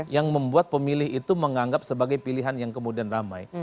yang membuat pemilih itu menganggap sebagai pilihan yang kemudian ramai